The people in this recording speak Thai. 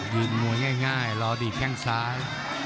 ยืนมวยง่ายรอดีดแข้งซ้าย